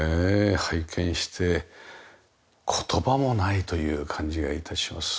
拝見して言葉もないという感じが致します。